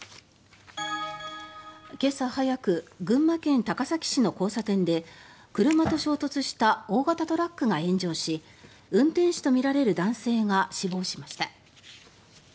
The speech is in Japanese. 今朝早く群馬県高崎市の交差点で車と衝突した大型トラックが炎上し運転手とみられる男性が死亡しました。